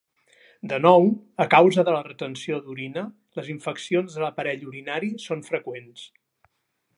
De nou, a causa de la retenció d'orina, les infeccions de l'aparell urinari són freqüents.